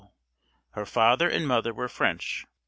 Her father and mother were French.